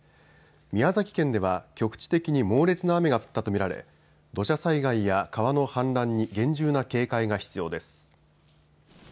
宮崎県では局地的に猛烈な雨が降ったと見られ土砂災害や川の氾濫に厳重な警戒が必要です。